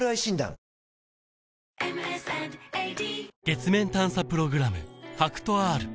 月面探査プログラム